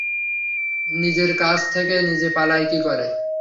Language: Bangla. নিজের কাছ থেকে নিজে পালাই কী করে।